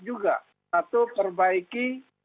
juga satu perbaiki